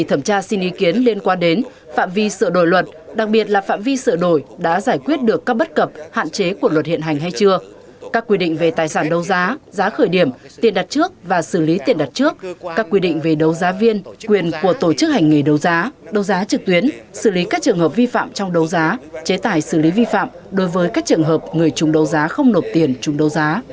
thẩm tra xin ý kiến liên quan đến phạm vi sợ đổi luật đặc biệt là phạm vi sợ đổi đã giải quyết được các bất cập hạn chế của luật hiện hành hay chưa các quy định về tài sản đấu giá giá khởi điểm tiền đặt trước và xử lý tiền đặt trước các quy định về đấu giá viên quyền của tổ chức hành nghề đấu giá đấu giá trực tuyến xử lý các trường hợp vi phạm trong đấu giá chế tải xử lý vi phạm đối với các trường hợp người chung đấu giá không nộp tiền chung đấu giá